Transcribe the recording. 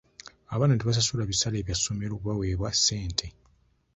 Abaana tebasasula bisale bya ssomero bwe baweebwa ssente.